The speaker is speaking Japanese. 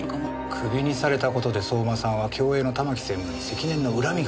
クビにされた事で相馬さんは共映の玉木専務に積年の恨みがあった。